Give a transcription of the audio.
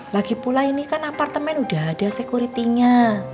lagi pula ini kan apartemen udah ada security nya